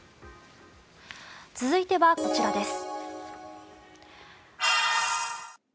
続いてはこちらです。